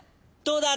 どうだ？